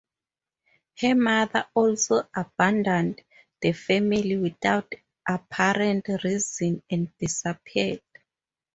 Her mother also abandoned the family without apparent reason and disappeared.